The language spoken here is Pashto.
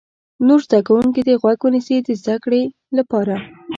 نور زده کوونکي دې غوږ ونیسي د زده کړې لپاره.